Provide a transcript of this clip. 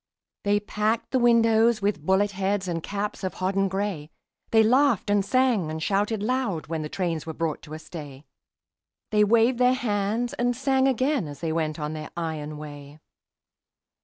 They packed the windows with bullet heads And caps of hodden gray; They laughed and sang and shouted loud When the trains were brought to a stay; They waved their hands and sang again As they went on their iron way.